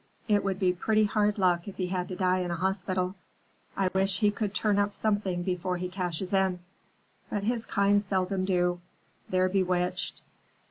It would be pretty hard luck if he had to die in a hospital. I wish he could turn up something before he cashes in. But his kind seldom do; they're bewitched.